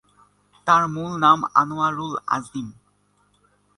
তার মূল নাম আনোয়ারুল আজিম।